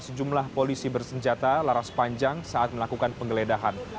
sejumlah polisi bersenjata laras panjang saat melakukan penggeledahan